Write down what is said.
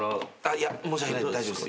いや申し訳ないんで大丈夫です。